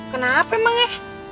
kenapa emang ya